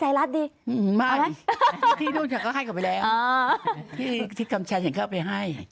ไทยรัฐดีอืมไม่ที่นู่นฉันก็ให้กันไปแล้วอ่าที่ที่กำชันฉันก็ไปให้